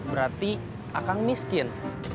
berarti akan miskin